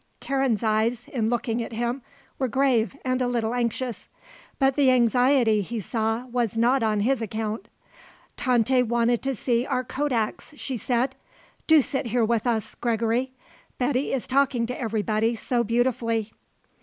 Karen's eyes, in looking at him, were grave and a little anxious; but the anxiety, he saw, was not on his account. "Tante wanted to see our kodaks," she said. "Do sit here with us, Gregory. Betty is talking to everybody so beautifully."